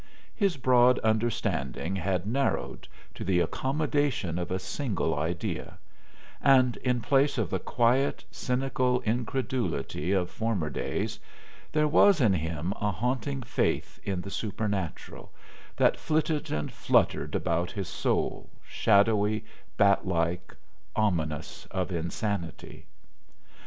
His broad understanding had narrowed to the accommodation of a single idea; and in place of the quiet, cynical incredulity of former days, there was in him a haunting faith in the supernatural, that flitted and fluttered about his soul, shadowy, batlike, ominous of insanity.